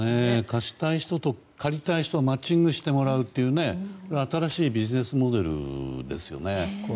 貸したい人と借りたい人をマッチングしてもらうという新しいビジネスモデルですよね。